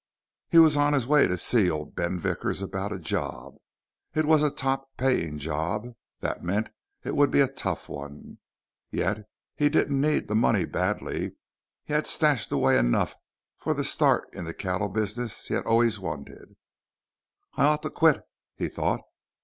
He was on his way to see old Ben Vickers about a job. It was a top paying job. That meant it would be a tough one. Yet he didn't need the money badly. He had stashed away enough for the start in the cattle business he had always wanted. I ought to quit, he thought.